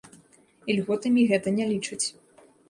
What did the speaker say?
І льготамі гэта не лічаць.